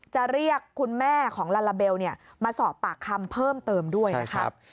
จะเรียกคุณแม่ของลาลาเบลมาสอบปากคำเพิ่มเติมด้วยนะครับ